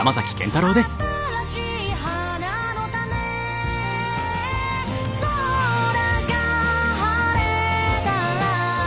「新しい花の種」「空が晴れたら」